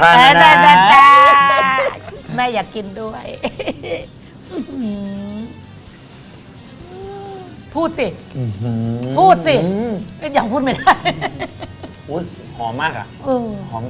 อร่อยไหมลูก